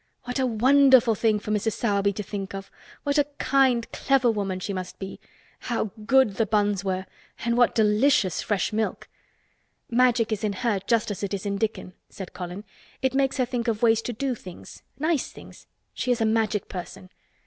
What a wonderful thing for Mrs. Sowerby to think of! What a kind, clever woman she must be! How good the buns were! And what delicious fresh milk! "Magic is in her just as it is in Dickon," said Colin. "It makes her think of ways to do things—nice things. She is a Magic person.